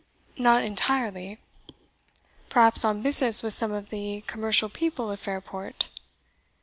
"Not entirely." "Perhaps on business with some of the commercial people of Fairport?"